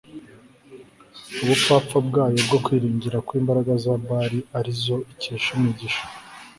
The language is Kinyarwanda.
ubupfapfa bwayo bwo kwiringira ko imbaraga za Bali ari zo ikesha imigisha